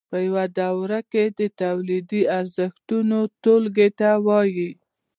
په یوه دوره کې د تولیدي ارزښتونو ټولګې ته وایي